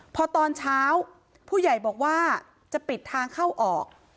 พอตอนเช้าผู้ใหญ่บอกว่าจะปิดทางเข้าออก